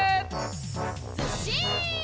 ずっしん！